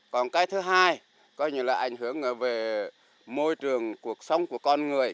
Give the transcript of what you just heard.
còn cái thứ hai coi như là ảnh hưởng về môi trường cuộc sống của con người